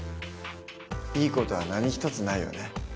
いい事は何一つないよね。